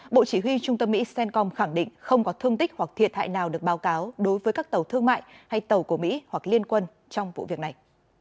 bộ chỉ huy trung tâm mỹ cencom khẳng định không có thương tích hoặc thiệt hại nào được báo cáo đối với các tàu thương mại hay tàu của mỹ hoặc liên quân trong vụ việc này